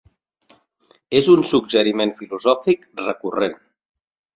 És un suggeriment filosòfic recurrent.